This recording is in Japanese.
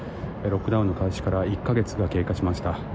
ロックダウンの開始から１か月が経過しました。